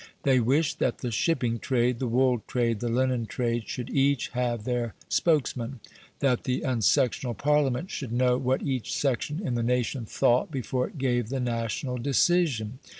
They wished that the shipping trade, the wool trade, the linen trade, should each have their spokesman; that the unsectional Parliament should know what each section in the nation thought before it gave the national decision.